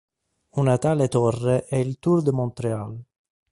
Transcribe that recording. Una tale torre è il Tour de Montréal.